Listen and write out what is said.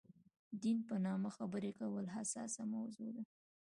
دین په نامه خبرې کول حساسه موضوع ده.